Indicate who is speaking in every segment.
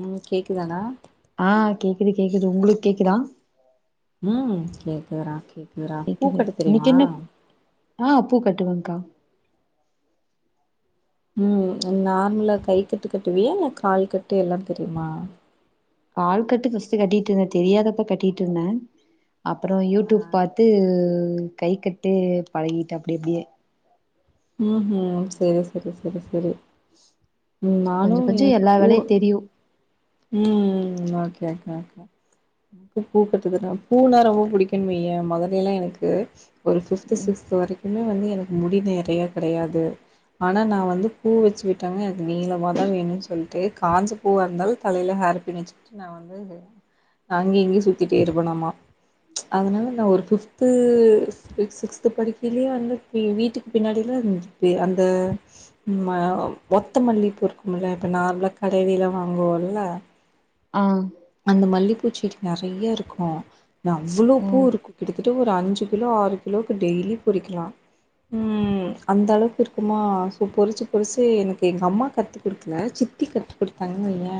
Speaker 1: ம் கேக்குதாடா
Speaker 2: ஆ கேக்குது கேக்குது உங்களுக்கு கேக்குதா
Speaker 1: ம் கேக்குதுறா கேக்குதுறா
Speaker 2: கேக்குது
Speaker 1: பூக்கட்ட
Speaker 2: இன்னைக்கு
Speaker 1: தெரிமா
Speaker 2: என்ன ஆ பூ கட்டுவங்க்கா
Speaker 1: ம் நார்மலா கை கட்டு கட்டுவியா இல்ல கால் கட்டு எல்லாம் தெரியுமா
Speaker 2: கால் கட்டு ஃபஸ்ட்டு கட்டிட்டு இருந்தே தெரியாதப்ப கட்டிட்டு இருந்தே அப்றோ
Speaker 1: ஆ
Speaker 2: யூடியூப் பாத் து கை கட்டு பழகிட்ட அப்டி அப்டியே
Speaker 1: ம்ஹூம் சரி சரி சரி சரி ம் நானு
Speaker 2: கொஞ்சோ கொஞ்சோ
Speaker 1: எனக்கு
Speaker 2: எல்லா
Speaker 1: பூ
Speaker 2: வேலையு தெரியு
Speaker 1: ம் ஓக்கே அக்கா கா கா எனக்கு பூ கட்றதுனா பூ னா ரொம்ப பிடிக்குன் வையேன் மொதலைல்லா எனக்கு ஒரு பிஃப்த்து சிக்ஸ்த்து வரைக்குமே வந்து எனக்கு முடி நிறைய கிடையாது ஆனா நா வந்து பூ வச்சு விட்டாங்கனா எனக்கு நீளமா தா வேணுன் சொல்ட்டு காஞ்ச பூவா இருந்தாலு தலைல ஹேர் பின் வச்சுட்டு நா வந்து அங்க இங்கயு சுத்திட்டே இருப்பனாமா அதனால நா ஒரு ஃபிஃப்த்து சிக்ஸ்த் படிக்கைலயே வந்து வீ வீட்டுக்கு பின்னாடிலா பெ அந்த ம ஒத்த மல்லி பூ இருக்கும்ல இப்போ நார்மலா கடைலைலா வாங்குவோல் ல
Speaker 2: ஆ
Speaker 1: அந்த மல்லிப்பூச்செடி நெறைய இருக்கு ன்ன அவ்ளோ பூ
Speaker 2: ம்
Speaker 1: இருக்கு கிட்டத்தட்ட ஒரு அஞ்சு கிலோ ஆறு கிலோக்கு டெய்லி பொறிக்கலா ம் அந்த அளவுக்கு இருக்குமா சோ பொறிச்சு பொறிச்சு எனக்கு எங்க அம்மாக்கு கத்து குடுக்கல சித்தி கத்து குடுத்தாங்கன்னு வையே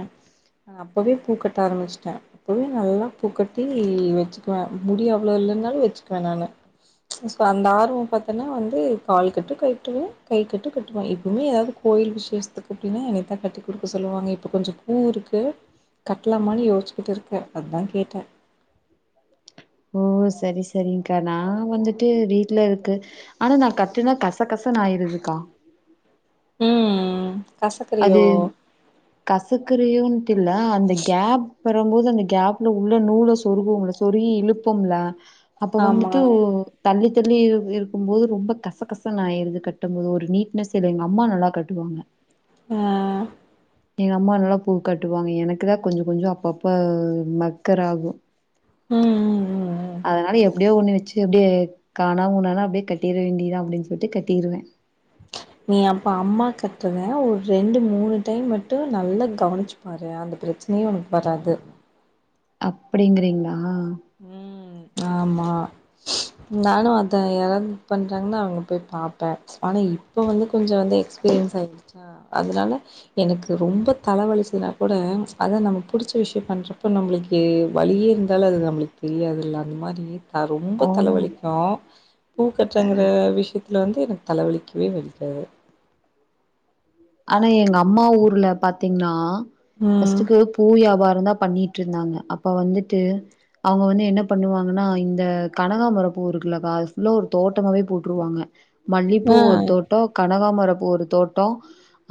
Speaker 1: நா அப்பவே பூ கட்ட ஆரம்பிச்சுட்டே அப்பவே நல்லா பூக்கட்டி வச்சுக்குவே முடி அவ்ளோ இல்லன்னாலு வச்சுக்குவே நானு சோ அந்த ஆர்வோ பாத்தன்னா வந்து கால் கட்டு கட்டுவே கை கட்டும் கட்டுவே எப்பவுமே எதாவ்து கோயில் விஷேசத்துக்கு அப்டின்னா என்னைதா கட்டி குடுக்க சொல்லுவாங்க இப்போ கொஞ்சொ பூவுருக்கு கட்லாமான்னு யோச்சிக்கிட்டுருக்கே அதா கேட்ட
Speaker 2: ஓ சரி சரிங்கா நா வந்துட்டு வீட்ல இருக்கு ஆனா நா கட்டுனா கச கசனு ஆயிருதுக்கா
Speaker 1: ம் ம்
Speaker 2: அது கசக்குறியோன்ட்டு இல்ல அந்த கேப் வரும்போது அந்த கேப்ல உள்ள நூல சொருகுவோம்ல சொருகி இழுப்போம்ல அப்ப
Speaker 1: ஆமா.
Speaker 2: வந்துட்டு உ தள்ளி தள்ளி இருக்கு இருக்கும் போது ரொம்ப கச கசன்னு ஆயிருது கட்டும் போது ஒரு நீட்னஸ் இல்ல எங்க அம்மா நல்லா கட்டுவாங்க
Speaker 1: ஆ
Speaker 2: எங்க அம்மா நல்லா பூ கட்டுவாங்க எனக்குதா கொஞ்சொ கொஞ்சோ அப்பப்ப மக்கர் ஆகு
Speaker 1: ம் ம் ம் ம்
Speaker 2: அதனால எப்டியோ ஒன்னு வச்சு அப்டியே காணாமூனானு அப்டியே கட்டிட வேண்டியதா அப்டின்னு சொல்ட்டு கட்டிருவே
Speaker 1: நீ அப்ப அம்மா கட்றத ஒரு ரெண்டு மூணு டைம் மட்டு நல்லா கவனிச்சு பாரு அந்த பிரச்சனையே உனக்கு வராது
Speaker 2: அப்டிங்கிறீங்ளா
Speaker 1: ம் ஆமா நானு அதா யாராவ்து பண்றாங்கன்னா அங்க போய் பாப்பே ஆனா இப்போ வந்து கொஞ்சோ வந்து எக்ஸ்பீரியன்ஸ் ஆயிடுச்சா அதனால எனக்கு ரொம்ப தலவலிச்சதுனா கூட அதா நம்ம புடிச்ச விஷயோ பண்றப்ப நம்மளுக்கு கு வலியே இருந்தாலு அது நம்ளுக் தெரியாதுல்ல அந்த மாரி க ரொம்ப
Speaker 2: ஆமா
Speaker 1: தலவலிக்கு பூக்கட்றங்கற விஷயத்துல வந்து எனக்கு தல வலிக்கவே வலிக்காது
Speaker 2: ஆனா எங்க அம்மா ஊர்ல பாத்தீங்கன்னா
Speaker 1: ம்
Speaker 2: ஃபர்ஸ்ட்டுக்கு பூ வியாபாரந்தா பண்ணி ட்ருந்தாங்க அப்ப வந்துட்டு அவ்ங்க வந்து என்ன பண்ணுவாங்கன்னா இந்த கனகாமர பூ இருக்குல்லக்கா அது ஃபுல்லா ஒரு தோட்டமாவே போட் டுருவாங்க மல்லிப்பூ
Speaker 1: ஆ
Speaker 2: ஒரு தோட்டோ கனகாமரப்பூ ஒரு தோட்டோ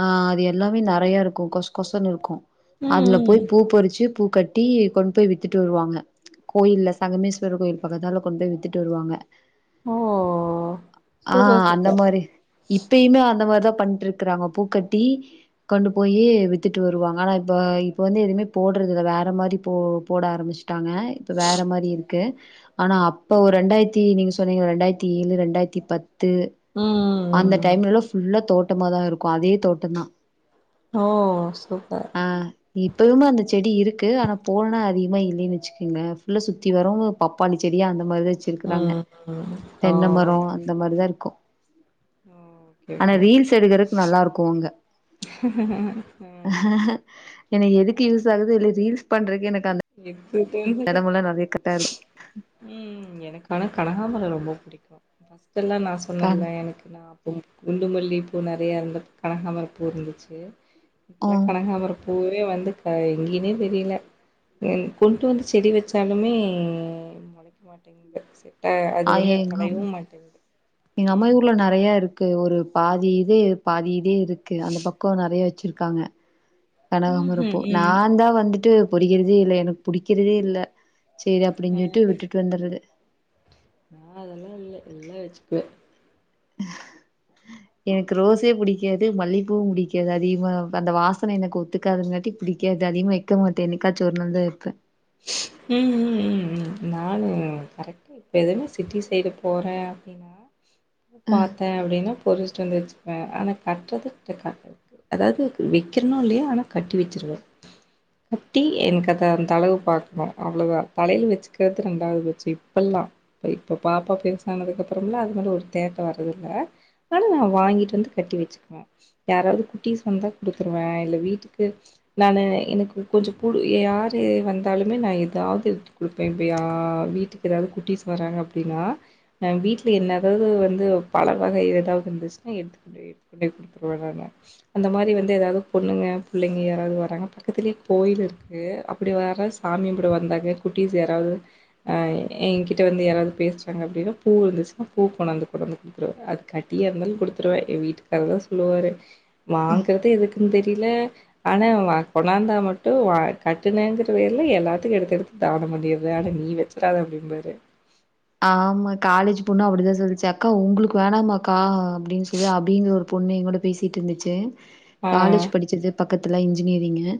Speaker 2: ஆ அது எல்லாமே நெறைய இருக்கு கொச கொசன்னு இருக்கு
Speaker 1: ம்
Speaker 2: அதுல போய்
Speaker 1: ம்
Speaker 2: பூ பறிச்சு பூ கட்டி கொண் போய் வித்துட்டு வருவாங்க கோயில்ல சங்கமேஸ்வரர் கோயில் பக்கத்தால கொண்டு போய் வித்துட்டு வருவாங்க
Speaker 1: ஓ
Speaker 2: ஆ
Speaker 1: சூப்பர்
Speaker 2: அந்த
Speaker 1: சூப்பர்
Speaker 2: மாரி இப்பயுமே அந்த மாரிதா பண்ட்டு இருக்றாங்க பூ கட்டி கொண்டு போய் வித்துட்டு வருவாங்க ஆனா இப்ப இப்ப வந்து எதுவுமே போடுறதில்ல வேற மாரி போ போட ஆரம்பிச்சு ட்டாங்க இப்ப வேற மாரி இரு க்கு ஆனா அப்ப ஒரு ரெண்டாயிரத்தி நீங்க சொன்னீங்கள ரெண்டாயிரத்தி ஏழு ரெண்டாயிரத்தி பத் து
Speaker 1: ம் ம்
Speaker 2: அந்த
Speaker 1: ம்
Speaker 2: டைம்லைலா ஃபுல்லா தோட்டமாதா இருக்கூ அதே தோட்டந்தா
Speaker 1: ஓ சூப்பர்
Speaker 2: ஆ இப்பயுமே அந்த செடி இருக்கு ஆனா போலனா அதிகமா இல்லைன் வைச்சிக்குங்க ஃபுல்லா சுத்தி வரு பப்பாளி செடி அந்த மாரிதா
Speaker 1: ம்
Speaker 2: வச்சிருக்குறாங்க
Speaker 1: ம் ஓ
Speaker 2: தென்ன மரோ அந்த மாரிதா இருக்கு
Speaker 1: ஓகே
Speaker 2: ஆனா
Speaker 1: ஓகே ஓகே
Speaker 2: ரீல்ஸ் எடுக்குறத் நல்லாருக்கு அங்க
Speaker 1: ஆ
Speaker 2: என எதுக்கு யூஸ் ஆகுதோ இல்லையோ ரீல்ஸ் பண்றக்கு எனக்கு அந்த
Speaker 1: இது
Speaker 2: எடமெல்லா நெறைய கட்டாகு
Speaker 1: உம் எனக்கு ஆனா கனகாபரொ ரொம்ப பிடிக்கு ஃபர்ஸ்ட்டெல்லா நா
Speaker 2: கண்
Speaker 1: சொன்னெல்ல எனக்கு நா கும் குண்டுமல்லிப்பூ நெறையாருந்து கனகாமரப்பூ இருந்துச்சி
Speaker 2: ஆ
Speaker 1: இப்லா கனகாமரப்பூவே வந்து க எங்யினே தெரியல என் கொண்டு வந்து செடி வெச்சாலுமே முளைக்க மாட்டெங்குது செ ட அது
Speaker 2: ஆ
Speaker 1: வந்து
Speaker 2: எங்க அம்
Speaker 1: தலையவு மாட்டெங்கு
Speaker 2: எங்க அம்மாயி ஊர்ல நெறையா இருக்கு ஒரு பாதி இது பாதி இதே இருக்கு அந்த பக்கோ நெறைய வெச்சிருக்காங்க
Speaker 1: ம் ம்
Speaker 2: கனகாமரப்பூ
Speaker 1: ம்
Speaker 2: நாந்தா வந்துட்டு பொரிக்கிறதே இல்ல எனக்கு புடிக்கிறதே இல்ல சேரி
Speaker 1: ஆ
Speaker 2: அப்பிடின் சொல்ட்டு விட்டுட்டு வந்துறது
Speaker 1: நா அதெல்லா இல்ல எல்லா வச்சுக்குவே
Speaker 2: எனக்கு ரோஸே புடிக்காது மல்லிகப்பூவு புடிக்காது அதிகமா அந்த வாசன எனக்கு ஒத்துக்காதுங்காட்டி புடிக்காது அதிகமா வைக்க மாட்டே என்னைக்காச்சி ஒரு நாள் தா வெப்பே
Speaker 1: ம் ம் ம் ம் நானு கரெக்டு இப்போ எதுனா சிட்டி சைடு போறே அப்டினா பாத்தே அப்டினா பொரிச்ட்டு வந்து வச்சு பே ஆனா கட்றது [unintelligible] அதாது வெக்கிறனோ இல்லையா ஆனா கட்டி வச்சிருவே குட்டி எனக்கது அந்தளவு பாக்ணு அவ்ளொதா தலையில வச்சுக்கிறது ரெண்டாவது பச்சி இப்பல்லா இப்ப இப்ப பாப்பா பெருசானதுக்கப்பறம்லா அது மாரி ஒரு தேட்ட வரதுல்ல தாலூ நா வாங்கிட்டு வந்து கட்டி வச்சிக்குவே யாராவது குட்டிஸ் வந்தா குடுத்துருவே இல்ல வீட்டுக்கு நானு எனக்கு கொஞ்சொ புடு யாரு வந்து தாலுமே நா எதாவது எடுத்து குடுப்பே எப்பயா வீட்டுக்கு எதாவது குட்டிஸ் வராங்க அப்டினா அ வீட்ல என்ன எதாவது வந்து பழ வகை எதாவது இருந்துச்னா எடுத்துக்குடுவே எடுத்துக்கொண்டொய் குடுத்துருவே நானு அந்த மாரி வந்து எதாவது பொண்ணுங்க புள்ளைங்க யாராது வராங்க பக்கத்துலையே கோயிலிருக்கு அப்டி வர்றஸ் சாமி கும்ட வந்தாங்க குட்டிஸ் யாராது ஆ ஏங்கிட்ட வந்து யாராவது பேசுறாங்க அப்டினா பூ இருந்துச்சுனா பூ கொண்டாந்து குடுனு த்றுவே அது கட்டியா இருந்தாலு குடுத்துருவே ஏ வீட்டுக்காரர்தா சொல்லுவாரு வாங்குறது எதுக்குன் தெரில ஆனா வ கொண்ணாந்தா மட்டு வா கட்டுனங்குற வே ல எல்லாத்துக்கு எடுத்து எடுத்து தானோ பண்ணிர்ற ஆனா நீ வச்சிறாது அப்டிம்பாரு
Speaker 2: ஆமா காலேஜி பொண்ணு அப்பிடிதா சொல்ச்சு அக்கா உங்களுக்கு வேணாமாக்கா அப்டின் சொல்லி அபிங்ற ஒரு பொண்ணு எங்கூட பேசிட்டுந்துச்சீ
Speaker 1: ஆ
Speaker 2: காலேஜ் படிக்கிது பக்கத்துல இன்ஜினியரிங்கு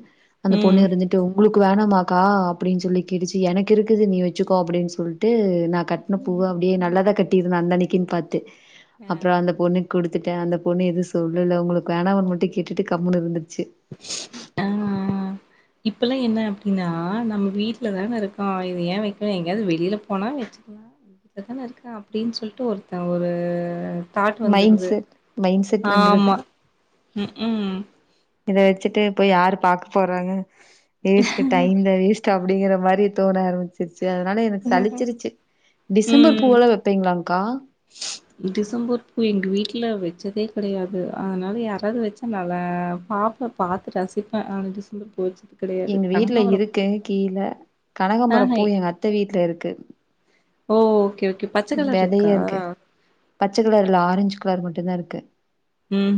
Speaker 2: அந்த பொண்ணு
Speaker 1: ம்
Speaker 2: இருந்துட் டு உங்ளுக்கு வேணாமாக்கா அப்டின் சொல்லி கேட்டுச்சி எனக்கு இருக்குது நீ வச்சிக்கோ அப்டின் சொல்ட்டு நா கட்ன பூவ அப்டியே நல்லாதா கட்டிருந்தே அந்தன்னைக்குன் பாத்து
Speaker 1: ஆ
Speaker 2: அப்றோ அந்த பொண்ணுக் குடுத் துட்டே அந்த பொண்ணு எதுவு சொல்லல்ல உங்களுக் வேணாவான் மட்டு கேட்டுட்டு கம்முனு இருந்துர்ச்சி
Speaker 1: அ இப்பல்லா என்ன அப்படின்னா நம்ம வீட்லதானே இருக்கோ இது ஏ வைக்கண எங்கயாவது வெளியில போனா வச்சுக்கலா வீட்ல தான இருக்கா அப்படின் சொல்லிட்டு ஒருத்த ஒரு தாட்ட
Speaker 2: மைண்ட்
Speaker 1: வந்துருது
Speaker 2: செட் மைண்ட் செட் வந்துருது.
Speaker 1: ஆமா ம் ம்
Speaker 2: இதை வச்சுட்டு போய் யாரு பாக்க போறாங்க வேஸ்ட் டைம் தா வேஸ்ட் டு அப்படிங்கிற மாரி தோண ஆரம்பிச்சிருச்சு அதனால எனக்கு சழிச்சிருச்சு டிசம்பர்
Speaker 1: ம்
Speaker 2: பூவெல்லா வெ பிங்களாங்க்கா
Speaker 1: டிசம்பர் பூ எங்கவீட்ல வெச்சதே கெடையாது அதனால யாராவது வச்சா நல்லா பாப்போ பாத்து ரசிப்ப ஆனா டிசம்பர் பூ வெச்ச
Speaker 2: எங்க வீட்ல இருக்கு கீழ
Speaker 1: ஆஹ
Speaker 2: கனகம்பரப்பூ எங்க அத்த வீட்ல இருக்கு
Speaker 1: ஓ ஓகே ஓகே பச்ச கலர் இருக்கா
Speaker 2: விதைய இருக்கு பச்ச கலர் இல்ல ஆரஞ்ச் கலர் மட்டு தா இருக்கு
Speaker 1: ம்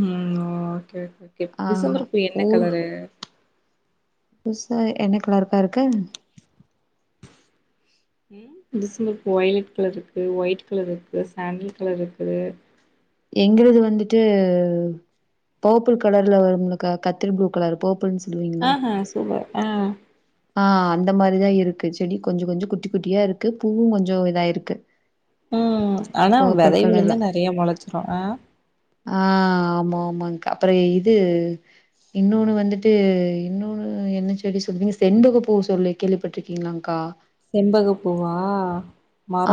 Speaker 1: ஓகே ஓகே ஓகே
Speaker 2: ஆ
Speaker 1: டிசம்பர் பூ என்ன
Speaker 2: ஊர்
Speaker 1: கலரு
Speaker 2: புதுசா என்ன கலருக்கா இருக்கு
Speaker 1: ம் டிசம்பர் பூ வொய்லெட் கலர் இருக்குது ஒயிட் கலர் இருக்கு சாண்டல் கலர் இருக்குது
Speaker 2: எங்களது வந்துட்டு போப்பிள் கலர்ல வரும்லக்கா கத்திரிப்ளூ கலர் போப்பிள்னு சொ
Speaker 1: அ அ சூபர் அ
Speaker 2: ஆ அந்த மாரிதா இருக்கு செடி கொஞ்ச கொஞ்ச குட்டி குட்டியா இருக்கு பூவு கொஞ்ச இதா இருக்கு
Speaker 1: ம் ஆனா
Speaker 2: கலர்ல.
Speaker 1: வெதைவிழுந்தா நிறைய முளைச்சிரு ஆ
Speaker 2: ஆ ஆமா ஆமாங்க்கா அப்புற இது இன்னோனு வந்துட்டு இன்னோனு என்ன செடி சொல்வீங்க செண்பக பூ சொல்லி கேள்விப்பட்ருக்கீங்ளாங்க்கா
Speaker 1: செண்பக பூவா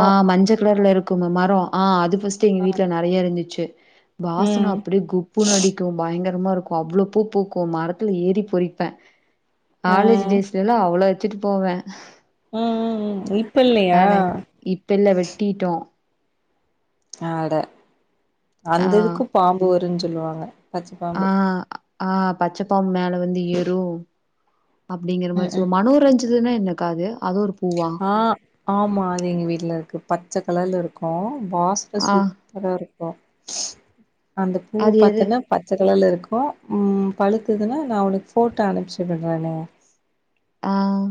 Speaker 2: ஆ மஞ்ச கலர்ல இரு குமெ மரோஆ அது ஃபஸ்ட்டு எங்க
Speaker 1: ஆ
Speaker 2: வீட்ல நெறைய இருந்துச்சு வாசன
Speaker 1: ம்
Speaker 2: அப்டியே குப்புனு அடி கு பயங்கரமா இருக்கு அவ்ளோ பூ பூக்கு மரத்துல ஏறி பொறிப்ப
Speaker 1: ஆ
Speaker 2: காலேஜ்
Speaker 1: ம்
Speaker 2: டேஸ் லலா அவ்ளோ வச்சிட்டு போவே
Speaker 1: ம் ம் ம் இப்பில்லயா
Speaker 2: இப்ப இல்ல வெட்டிட்டோ
Speaker 1: அட
Speaker 2: ஆ
Speaker 1: அந்ததுக்கு பாம்பு வரு சொல்லுவாங்க பச்ச
Speaker 2: ஆ
Speaker 1: பாம்பு
Speaker 2: ஆ பச்சப்பாம்பு மேல வந்து ஏறு அப்பிடிங்கிற
Speaker 1: ம்
Speaker 2: மாரி
Speaker 1: ம்
Speaker 2: சொல் மனோரஞ்சிதனா என்னக்காது அதொரு பூவா
Speaker 1: ஆ ஆமா அது எங்க வீட்லருக்கு பச்ச கலர்ல இருக்கு வாசன
Speaker 2: ஆ
Speaker 1: சூப் பரா இருக்கு அந்த பூ
Speaker 2: அது எது
Speaker 1: பாத்தன்னா பச்ச கலர்ல இருக்கு ம் பழுத்ததுன்னா நா உனக்கு ஃபோட்டோ அனுப்ச்சி விட்றனே
Speaker 2: ம்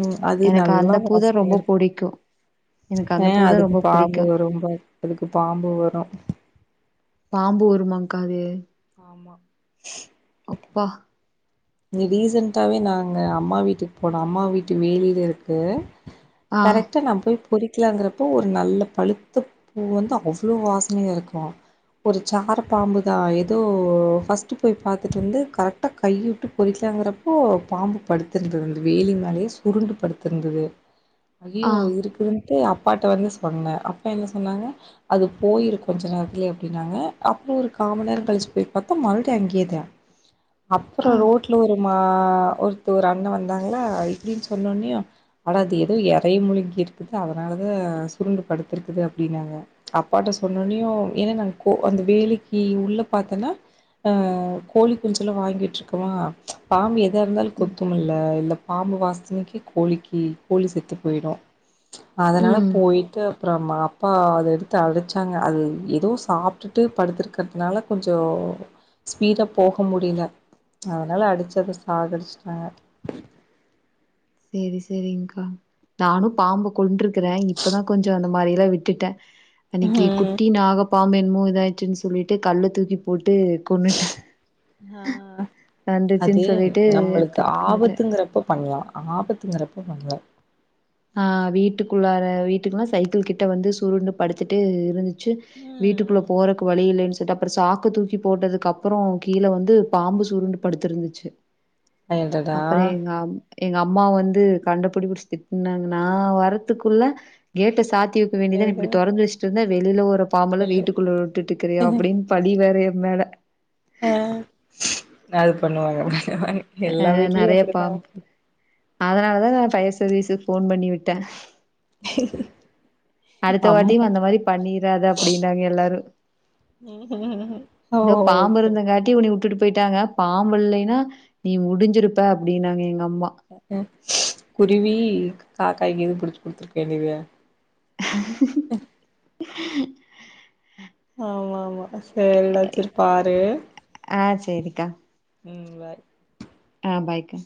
Speaker 1: ம் அது நல்லா
Speaker 2: பூதா ரொம்ப
Speaker 1: வாசனயாருக்கு
Speaker 2: புடிக்கும் எனக்கு
Speaker 1: அ
Speaker 2: அந்த பூதா
Speaker 1: அதுக்கு
Speaker 2: ரொம்ப
Speaker 1: பாம்பு
Speaker 2: புடிக்கும்
Speaker 1: வரும்பா அதுக்கு பாம்பு வரு
Speaker 2: பாம்பு வருமாங்க்கா அது
Speaker 1: ஆமா
Speaker 2: அப்பா
Speaker 1: இ ரீசன்ட்டாவே நாங்க அம்மா வீட்டுக் போனோ அம்மா வீட்டு வேலில இருக்கு
Speaker 2: ஆ
Speaker 1: கரெக்டா நான் போய் பொறிக்கலாந்துறுப்போ ஒரு நல்ல பழுத்த பூ வந்து அவ்ளோ வாசனயா இருக்கு ஒரு சார பாம்புதா எதோ ஃபஸ்ட்டு போய் பாத்துட்டு வந்து கரெக்டா கை உட்டு பொறிக்கலாங்கறப்போ பாம்பு படுத்திருந்துது அந்த வேலி மேலயே சுருண்டு படுத்திருந்துது
Speaker 2: ஆ
Speaker 1: அய்யய்யோ இருக்குதுன்ட்டு அப்பாட்ட வந்து சொன்னே அப்பா என்ன சொன்னாங்க அது போயிரு கொஞ்ச நேரத்துலயே அப்டின்னாங்க அப்பறோ ஒரு காமன்நேரோ கழிச்சு போயி் பாத்தா மறுபடியு அங்கேதா அப்பறோ
Speaker 2: ஆ
Speaker 1: ரோட் மா ஒருத்த ஒரு அண்ண வந்தாங்களா இப்டின்னு சொன்னோன்னே அட அது எதோ எரய முழுங்கிருக்குது அதனாலதா சுருண்டு படுத்திருக்குது அப்டின்னாங்க அப்பாட்ட சொன்னோனயு ஏனா நா கோ அந்த வேலைக்கு உள்ள பாத்தன்னா அ கோழி குஞ்செல்லா வாங்கி விட்ருக்கமா பாம்பு எதா இருந்தாலு
Speaker 2: ம்
Speaker 1: கொத்துமுல்ல இல்ல பாம்பு வாசனைக்கு கோழிக்கு கோழி செத்து போயிடு அதனால
Speaker 2: ம்
Speaker 1: போயிட்டு அப்றோம அப்பா அத எடுத்து அடிச்சாங்க அது ஏதோ சாப்ட்டுட்டு படுத்துருக்கிறதுனால கொஞ்சோ ஸ்பீடா போக முடியல அதனால அடுச்சு அத சாகடிச்சுட்டாங்க
Speaker 2: சேரி சேரிங்க்கா நானு பாம்ப கொண்ட்ருக்கறே இப்பதா கொஞ்சோ அந்த மாரில்லா விட்டுட்ட இன்னைக்கு
Speaker 1: ம்
Speaker 2: குட்டி நாக பாம்பேன்னமோ இதாயிச்சுன்னு சொல்லிட்டு கல்ல தூக்கி போட்டு கொன்னுட்ட
Speaker 1: அ அது
Speaker 2: சொல்லிட்டு
Speaker 1: நம்மளுக்கு
Speaker 2: எடுத்துட்டுந்துட்டேன்
Speaker 1: ஆபத்துங்கறப்ப பண்லா ஆபத்துங்கறப்ப பண்லா
Speaker 2: அ வீட்டுக்குள்ளார வீட்டுக்குல்ல சைக்கிள் கிட்ட வந்து சுருண்டு படுத்துட்டு இருந்துச்சு
Speaker 1: ம்
Speaker 2: வீட்டுக்குள்ள
Speaker 1: ம்
Speaker 2: போறக்கு வழி இல்லேன் சொல்லிட்டு அப்பறோ சாக்க தூக்கி போட்டதுக்கப்பறோ கீழ வந்து பாம்பு சுருண்டு படுத்திருந்துச்சு
Speaker 1: [inaudible] அடடா
Speaker 2: அப்பறோ எங்கம் எங்கம்மா வந்து கண்டபடி புடுச்திட் ஏன்னா நா வரத்துக்குள்ள கேட்ட சாத்தி வக்க வேண்டிதான
Speaker 1: எது
Speaker 2: இப்டி தொறந்து வச்ட்டிருந்தா வெளில ஒரு பாம்பல
Speaker 1: எல்
Speaker 2: வீட்டுக்குள்ள விட்டுட்டுக்றியா அப்டின்னு பழி வேற என் மேல
Speaker 1: அ அது பண்ணுவாங்க எல்லா
Speaker 2: அஹ்
Speaker 1: வீட்லயு
Speaker 2: நெறைய
Speaker 1: அப்டிதா
Speaker 2: பாம்பு அ அ அ அ அ நெறையா பாம்பு அதனாலதா நா ஃபயர் சர்வீஸுக்கு போன் பண்ணி விட்ட
Speaker 1: [inaudible]
Speaker 2: அடுத்த
Speaker 1: அம்மா
Speaker 2: வாட்டியும் அந்த மாரி பண்ணிராத அப்டினாங்க எல்லாரு
Speaker 1: ம் ஓ ஓக்கே
Speaker 2: [unintelligible] உட்டுட்டு போயிட்டாங்க பாம்பு இல்லைன்னா நீ முடிஞ்சிருப்ப அப்டின்னாங்க எங்க அம்மா
Speaker 1: குருவி காக்காய்க்கு எது புடிச்சு குடுத்துருக்க வேண்டியதுதா
Speaker 2: [inaudible]
Speaker 1: ஆமா ஆமா சரி வச்சிருப்பாரு
Speaker 2: அ செரிக்கா
Speaker 1: ம்
Speaker 2: அ பாய்கா